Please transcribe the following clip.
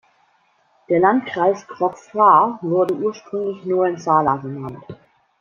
Der Landkreis Krok Phra wurde ursprünglich Noen Sala genannt.